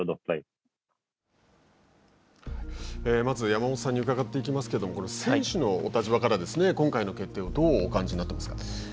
まず山本さんに伺っていきますけれども選手のお立場から今回の決定をどうお感じになっていますか。